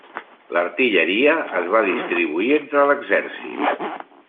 L'artilleria es va distribuir entre l'exèrcit.